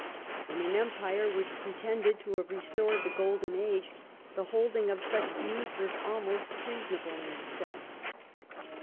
In an empire which pretended to have restored the Grolden Age, the holding of such views was almost treasonable in itself.